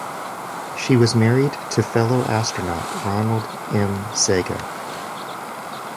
She was married to fellow astronaut Ronald M. Sega.